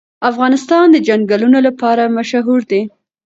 افغانستان د چنګلونه لپاره مشهور دی.